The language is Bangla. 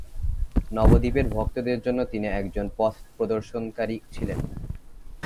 নবদ্বীপের ভক্তদের জন্য তিনি একজন পথ প্রদর্শনকারী ছিলেন।